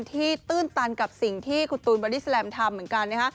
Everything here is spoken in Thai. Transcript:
ที่ตื้นตันกับสิ่งที่คุณตูนบาร์ดิสแลมป์ทำเหมือนกัน